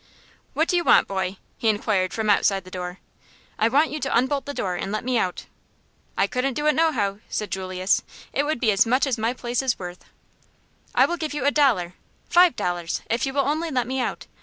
"What do you want, boy?" he inquired from outside the door. "I want you to unbolt the door and let me out." "I couldn't do it, nohow," said Julius. "It would be as much as my place is worth." "I will give you a dollar five dollars if you will only let me out.